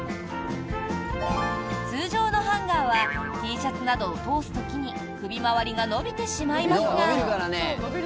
通常のハンガーはＴシャツなど通す時に首回りが伸びてしまいますが。